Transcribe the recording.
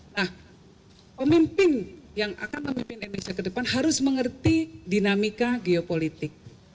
nah pemimpin yang akan memimpin indonesia ke depan harus mengerti dinamika geopolitik